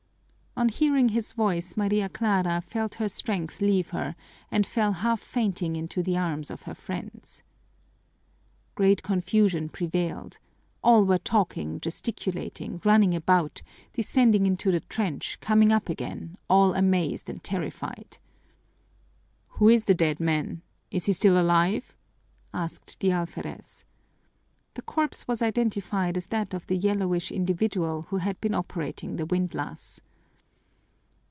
On hearing his voice Maria Clara felt her strength leave her and fell half fainting into the arms of her friends. Great confusion prevailed. All were talking, gesticulating, running about, descending into the trench, coming up again, all amazed and terrified. "Who is the dead man? Is he still alive?" asked the alferez. The corpse was identified as that of the yellowish individual who had been operating the windlass.